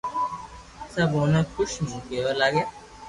سب اوني خوݾي مون ڪيوا لاگا